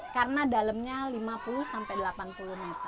karena dalamnya lima puluh sampai delapan puluh meter